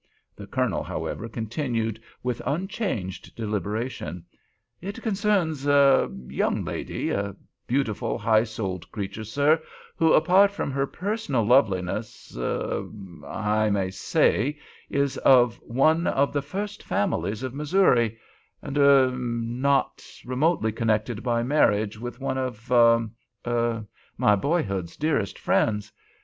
The Colonel, however, continued, with unchanged deliberation: "It concerns—er—a young lady—a beautiful, high souled creature, sir, who, apart from her personal loveliness— er—er—I may say is of one of the first families of Missouri, and— er—not—remotely connected by marriage with one of—er—er—my boyhood's dearest friends.